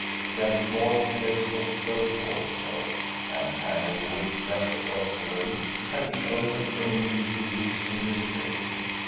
Judge Moore's place was closed also, and Tanglewood, just across the way, had been opened only a few weeks in the spring.